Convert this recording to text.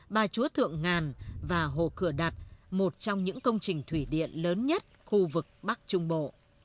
ba chúa thượng ngàn và hồ cửa đạt một trong những công trình thủy điện lớn nhất khu vực bắc trung bộ